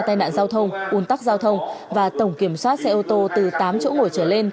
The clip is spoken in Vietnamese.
tai nạn giao thông un tắc giao thông và tổng kiểm soát xe ô tô từ tám chỗ ngồi trở lên